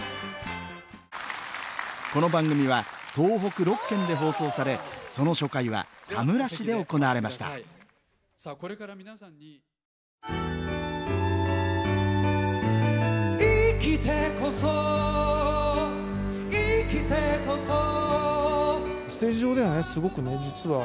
この番組は東北６県で放送されその初回は田村市で行われました「生きてこそ生きてこそ」「黙とう」。